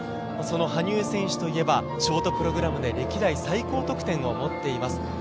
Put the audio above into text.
羽生選手といえばショートプログラムで歴代最高得点を持っています。